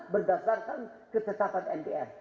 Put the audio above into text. berdasarkan ketetapan mdr